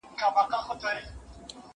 زه له سهاره ونې ته اوبه ورکوم!!